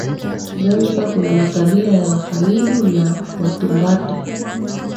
Zanzibar kuna makabila ya Wahamidu na Watumbatu